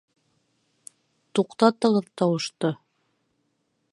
— Туҡтатығыҙ тауышты!!!